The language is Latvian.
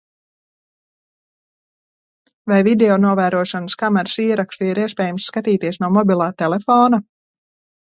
Vai videonovērošanas kameras ierakstu ir iespējams skatīties no mobilā telefona?